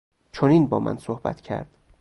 چنین با من صحبت کرد